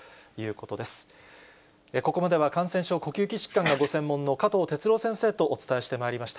ここまでは感染症、呼吸器疾患がご専門の加藤哲朗先生とお伝えしてまいりました。